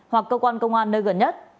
hoặc cơ quan công an nơi gần nhất